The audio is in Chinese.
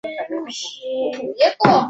大叶冷水花为荨麻科冷水花属的植物。